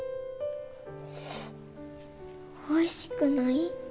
おいしくない？